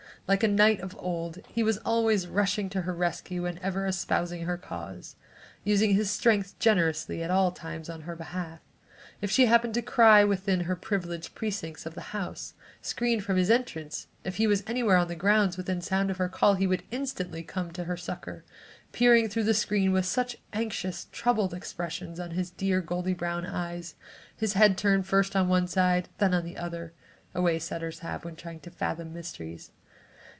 Like a knight of old, he was always rushing to her rescue and ever espousing her cause, using his strength generously at all times in her behalf. If she happened to cry within her privileged precincts of the house, screened from his entrance, if he was anywhere on the grounds within sound of her call, he would instantly come to her succor, peering through the screen with such an anxious, troubled expression in his dear goldy brown eyes, his head turned first on one side and then on the other, a way setters have when trying to fathom mysteries.